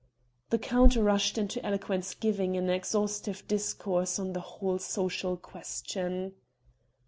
The count rushed into eloquence giving an exhaustive discourse on the whole social question.